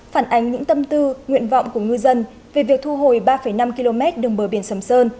phản ánh những tâm tư nguyện vọng của ngư dân về việc thu hồi ba năm km đường bờ biển sầm sơn